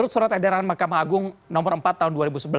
surat edaran mahkamah agung nomor empat tahun dua ribu sebelas